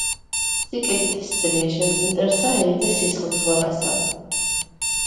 სიკეთით სძლიე შენს მტერსა, ერიდე ციცხლით ზღვევასა.